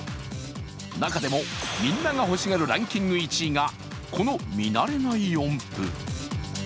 中でもみんなが欲しがるランキグ１位がこの見慣れない音符。